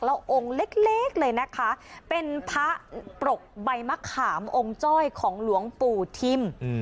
แล้วองค์เล็กเลยนะคะเป็นพระปรกใบมะขามองค์จ้อยของหลวงปู่ทิม